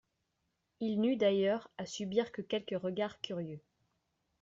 Il n'eut d'ailleurs, à subir que quelques regards curieux.